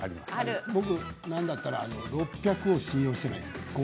僕なんだったら６００を信用してないです。